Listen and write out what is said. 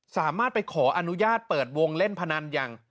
สามารถไปขออนุญาตเปิดวงเล่นพนันอย่าง